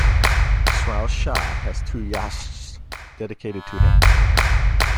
Sraosha has two yashts dedicated to him.